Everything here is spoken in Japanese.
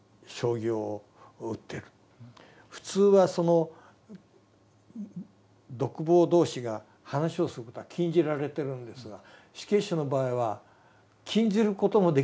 普通はその独房同士が話をすることは禁じられてるんですが死刑囚の場合は禁じることもできない。